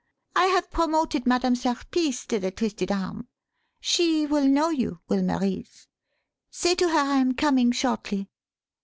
I have promoted Madame Serpice to the 'Twisted Arm'. She will know you, will Marise. Say to her I am coming shortly.